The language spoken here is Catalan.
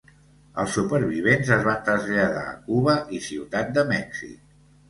Els supervivents es van traslladar a Cuba i Ciutat de Mèxic.